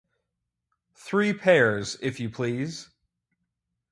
Three pairs, if you please.